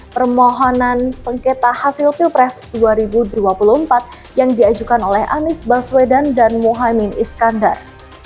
permohonan sengketa hasil pilpres dua ribu dua puluh empat yang diajukan oleh anies baswedan dan muhaymin iskandar